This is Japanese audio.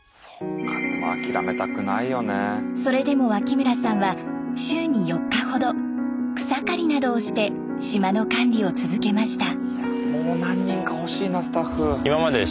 それでも脇村さんは週に４日ほど草刈りなどをして島の管理を続けました。